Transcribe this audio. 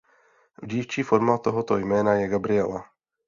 Dívčí forma tohoto jména je Gabriela.